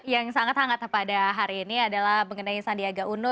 yang sangat hangat pada hari ini adalah mengenai sandiaga uno